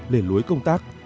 để lối công tác